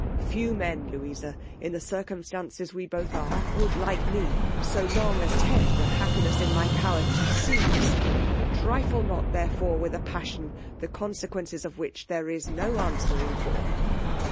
Few men, Louisa, in the circumstances we both are, would, like me, so long attend a happiness in my power to seize. Trifle not therefore with a passion, the consequences of which there is no answering for.